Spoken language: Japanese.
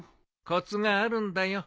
コツがあるんだよ。